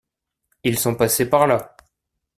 Ils sont passés par là.